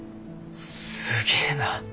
すげえな。